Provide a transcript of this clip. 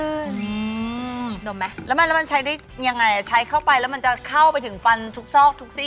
อืมโดนไหมแล้วมันแล้วมันใช้ได้ยังไงใช้เข้าไปแล้วมันจะเข้าไปถึงฟันทุกซอกทุกซี่